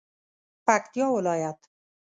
پکتیا ولایت